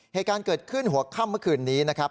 เหตุการณ์เกิดขึ้นหัวค่ำเมื่อคืนนี้นะครับ